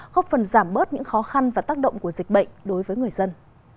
góp phần giảm bớt những khó khăn và tác động của dịch bệnh đối với người dân